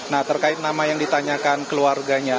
nah terkait nama yang ditanyakan keluarganya